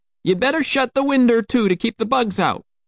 Ye'd better shet the winder to keep the bugs out!"